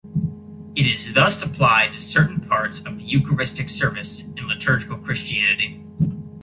It is thus applied to certain parts of the Eucharistic service in liturgical Christianity.